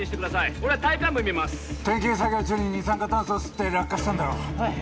俺は体幹部診ます点検作業中に二酸化炭素を吸って落下したんだろ